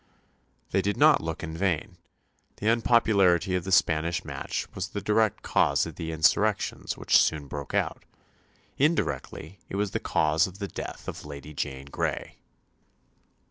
They did not look in vain. The unpopularity of the Spanish match was the direct cause of the insurrections which soon broke out. Indirectly it was the cause of the death of Lady Jane Grey.